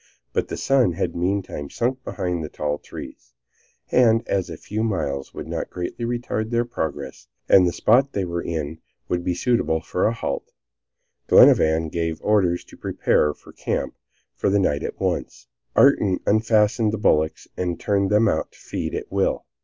But the sun had meantime sunk behind the tall trees, and as a few miles would not greatly retard their progress, and the spot they were in would be suitable for a halt, Glenarvan gave orders to prepare their camp for the night at once. Ayrton unfastened the bullocks and turned them out to feed at will.